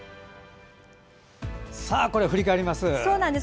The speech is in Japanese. さあ、振り返ります。